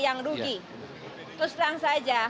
yang rugi terus terang saja